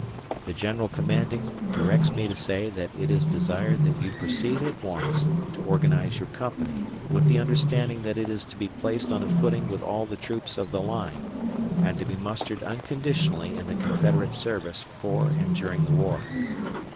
The general commanding directs me to say that it is desired that you proceed at once to organize your company, with the understanding that it is to be placed on a footing with all the troops of the line, and to be mustered unconditionally in the Confederate service for and during the war.